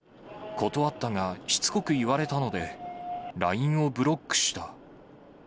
断ったがしつこく言われたので、ＬＩＮＥをブロックした。